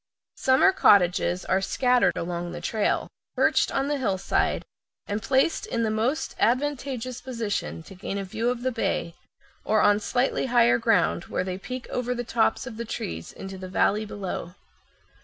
Summer cottages are scattered along the trail, perched on the hillside, and placed in the most advantageous position to gain a view of the bay, or on slightly higher ground, where they peek over the tops of the trees into the valley below.